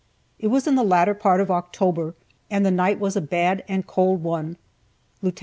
It was in the latter part of October, and the night was a bad and cold one. Lieut.